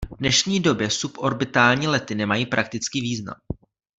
V dnešní době suborbitální lety nemají praktický význam.